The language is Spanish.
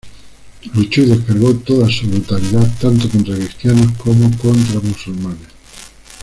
Luchó y descargó toda su brutalidad tanto contra cristianos como contra musulmanes.